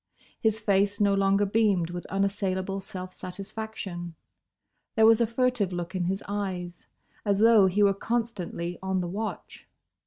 His face no longer beamed with unassailable self satisfaction. There was a furtive look in his eyes, as though he were constantly on the watch.